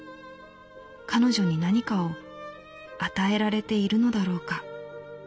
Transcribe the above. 彼女に何かを与えられているのだろうか」。